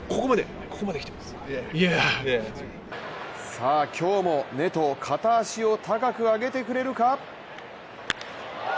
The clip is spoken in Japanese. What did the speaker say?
さあ、今日もネト、片足を高く上げてくれるか？